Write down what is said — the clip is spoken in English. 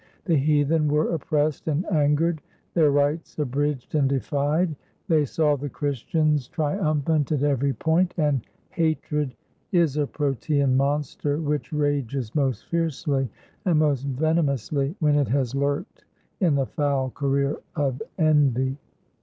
The heathen were oppressed and angered, their rights abridged and defied, they saw the Christians triumphant at every point, and 495 ROME hatred is a protean monster which rages most fiercely and most venomously when it has lurked in the foul career of envy.